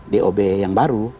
tiga dob yang baru